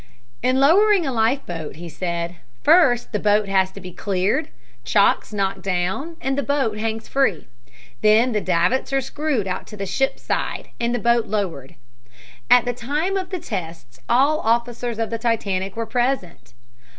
In lowering a life boat, he said, first the boat has to be cleared, chocks knocked down and the boat hangs free. Then the davits are screwed out to the ship's side and the boat lowered. At the time of the tests all officers of the Titanic were present.